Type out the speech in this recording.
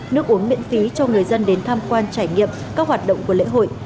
nước uống miễn phí cho người dân đến tham quan trải nghiệm các hoạt động của lễ hội